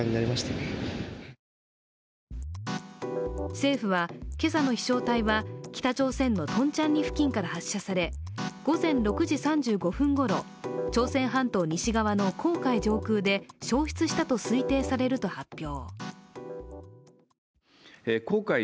政府は、けさの飛翔体は北朝鮮のトンチャンリ付近から発射され午前６時３５分ごろ、朝鮮半島西側の黄海上空で消失したと推定されると発表。